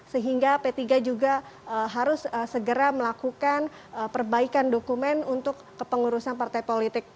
sehingga p tiga juga harus segera melakukan perbaikan dokumen untuk kepengurusan partai politik